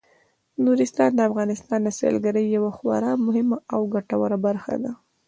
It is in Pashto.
نورستان د افغانستان د سیلګرۍ یوه خورا مهمه او ګټوره برخه ده.